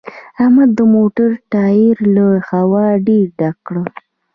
احمد د موټر ټایر له هوا ډېر ډک کړ